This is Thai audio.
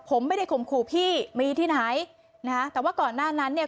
ผมไม่ได้ข่มขู่พี่มีที่ไหนนะฮะแต่ว่าก่อนหน้านั้นเนี่ย